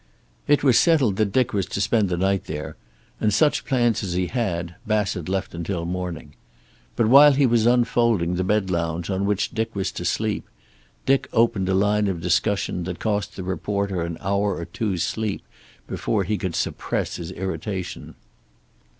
It was settled that Dick was to spend the night there, and such plans as he had Bassett left until morning. But while he was unfolding the bed lounge on which Dick was to sleep, Dick opened a line of discussion that cost the reporter an hour or two's sleep before he could suppress his irritation.